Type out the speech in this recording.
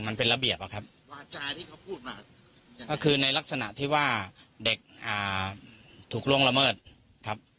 มันเป็นระเบียบนะครับก็คือในลักษณะที่ว่าเด็กถูกล่วงละเมิดครับ